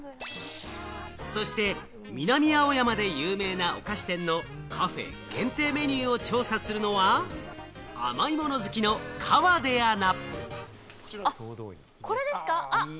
そして、南青山で有名なお菓子店のカフェ限定メニューを調査するのは、甘い物好きの河出アナ。